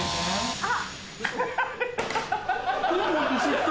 あっ！